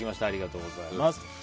ありがとうございます。